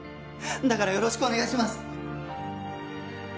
だからよろしくお願いします。